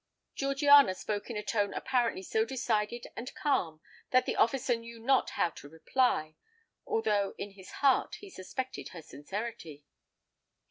Georgiana spoke in a tone apparently so decided and calm, that the officer knew not how to reply; although in his heart he suspected her sincerity.